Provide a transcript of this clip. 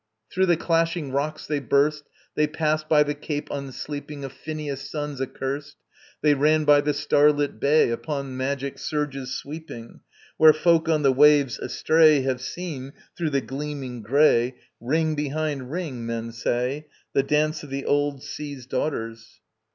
] Through the Clashing Rocks they burst: They passed by the Cape unsleeping Of Phineus' sons accurst: They ran by the star lit bay Upon magic surges sweeping, Where folk on the waves astray Have seen, through the gleaming grey, Ring behind ring, men say, The dance of the old Sea's daughters.